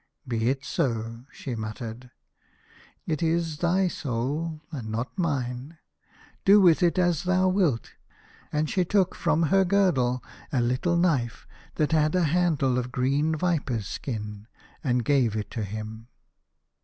"Be it so," she muttered. " It is thy soul and not mine. Do with it as thou wilt." And she took from her girdle a little knife that had a handle of green viper's skin, and gave it to him.